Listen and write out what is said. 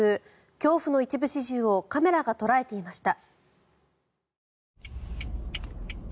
恐怖の一部始終をカメラが捉えていました。